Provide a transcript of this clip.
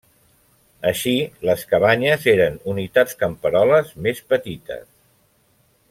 Així, les cabanyes eren unitats camperoles més petites.